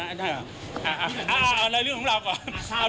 อ้าวอันตรงด้านนี้อ้าวเอาเรื่องของเราก่อน